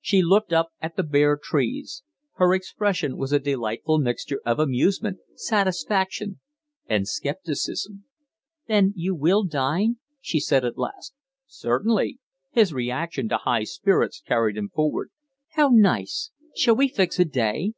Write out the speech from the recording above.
She looked up at the bare trees. Her expression was a delightful mixture of amusement, satisfaction, and scepticism. "Then you will dine?" she said at last. "Certainly." His reaction to high spirits carried him forward. "How nice! Shall we fix a day?"